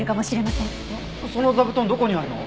その座布団どこにあるの？